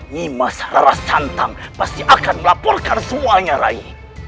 nimas harasantang pasti akan melaporkan semuanya rai